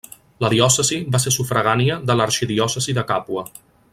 La diòcesi va ser sufragània de l'arxidiòcesi de Càpua.